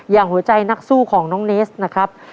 อย่างหัวใจนักสู้ของน้องเนสนะครับ